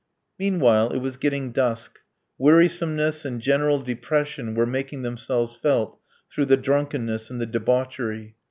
Meanwhile it was getting dusk. Wearisomeness and general depression were making themselves felt through the drunkenness and the debauchery.